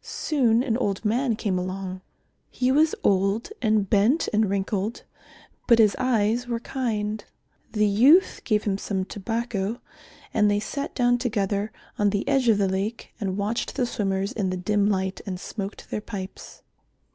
Soon an old man came along. He was old and bent and wrinkled, but his eyes were kind. The youth gave him some tobacco and they sat down together on the edge of the lake and watched the swimmers in the dim light, and smoked their pipes.